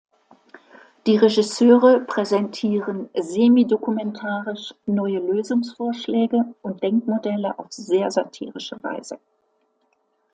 Die Regisseure präsentieren semi-dokumentarisch neue Lösungsvorschläge und Denkmodelle auf sehr satirische Weise.